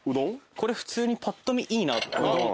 これ普通にぱっと見いいなとうどん。